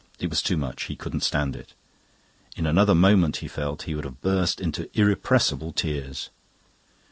It was too much; he couldn't stand it. In another moment, he felt, he would have burst into irrepressible tears.